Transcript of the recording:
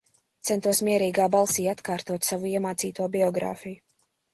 Centos mierīgā balsī atkārtot savu iemācīto biogrāfiju.